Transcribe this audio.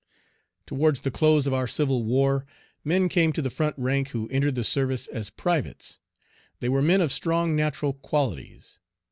Towards the close of our civil war, men came to the front rank who entered the service as privates. They were men of strong natural qualities.